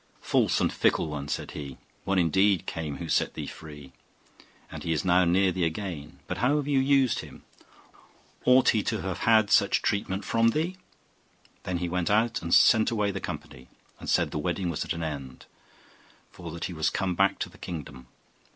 'False and fickle one!' said he. 'One indeed came who set thee free, and he is now near thee again; but how have you used him? Ought he to have had such treatment from thee?' Then he went out and sent away the company, and said the wedding was at an end, for that he was come back to the kingdom.